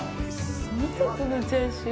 見て、このチャーシュー。